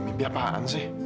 mimpi apaan sih